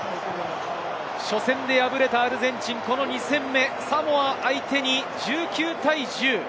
初戦で敗れたアルゼンチン、この２戦目、サモア相手に１９対１０。